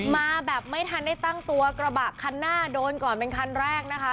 มาแบบไม่ทันได้ตั้งตัวกระบะคันหน้าโดนก่อนเป็นคันแรกนะคะ